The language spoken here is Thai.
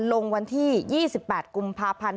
ลงวันที่๒๘กุมภาพันธ์